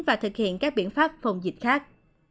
và thực hiện các biện pháp phòng dịch khác